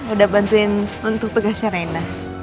udah bantuin untuk tugasnya renda